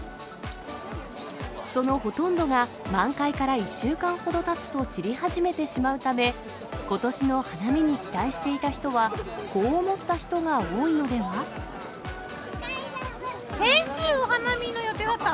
そのほとんどが、満開から１週間ほどたつと散り始めてしまうため、ことしの花見に期待していた人は、先週、お花見の予定だった。